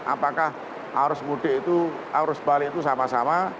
apakah arus mudik itu arus balik itu sama sama